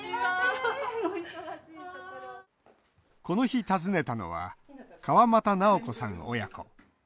この日、訪ねたのは川俣直子さん親子。